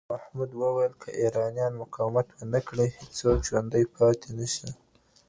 محمود وویل که ایرانیان مقاومت ونه کړي، هېڅوک ژوندی پاتې نه شي.